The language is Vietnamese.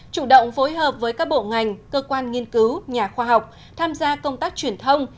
chủ động phối hợp với các bộ ngành cơ quan nghiên cứu nhà khoa học tham gia công tác truyền thông